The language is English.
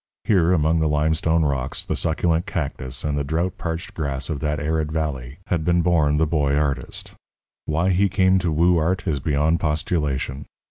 Here, among the limestone rocks, the succulent cactus, and the drought parched grass of that arid valley, had been born the Boy Artist. Why he came to woo art is beyond postulation.